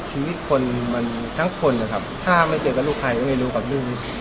ชีวิตคนมันทั้งคนนะครับถ้าไม่เจอกับลูกใครก็ไม่รู้กับลูก